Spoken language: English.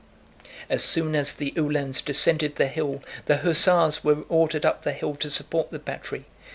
As soon as the Uhlans descended the hill, the hussars were ordered up the hill to support the battery.